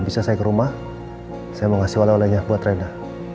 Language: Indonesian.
bisa saya ke rumah saya mau ngasih oleh olehnya buat reda